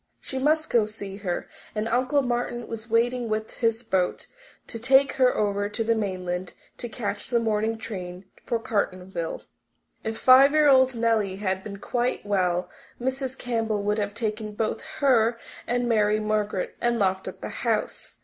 She must go to see her, and Uncle Martin was waiting with his boat to take her over to the mainland to catch the morning train for Cartonville. If five year old Nellie had been quite well Mrs. Campbell would have taken both her and Mary Margaret and locked up the house.